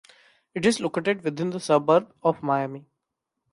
It is located within the suburb of Miami.